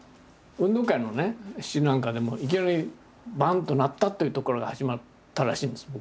運動会の詩なんかでもいきなりバンッと鳴ったっていうとこから始まったらしいんですよ